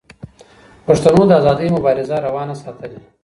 پښتنو د آزادۍ مبارزه روانه ساتلې.